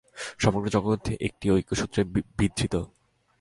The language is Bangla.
সমগ্র জগৎ একটি ঐক্যসূত্রে বিধৃত।